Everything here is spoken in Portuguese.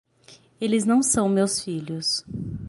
Eles não são meus filhos.